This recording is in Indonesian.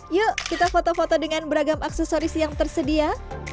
yuk kita foto foto dengan beragam aksesoris yang tersedia